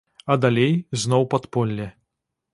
А далей зноў падполле.